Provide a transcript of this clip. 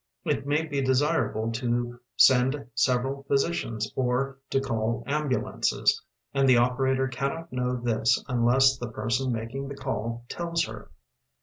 It may be desirable to send several physicians or to call ambulances, and tbe operator cannot know this unless the person making tbe call tells her.